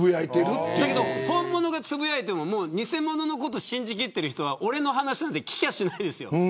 だけど、本物がつぶやいても偽物のことを信じきっている人は俺の話なんて聞きやしないんですよ。